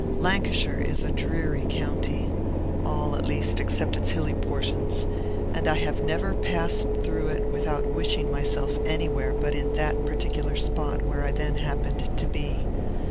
Lancashire is a dreary county (all, at least, except its hilly portions), and I have never passed through it without wishing myself anywhere but in that particular spot where I then happened to be.